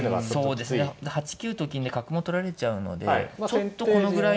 で８九と金で角も取られちゃうのでちょっとこのぐらいでは。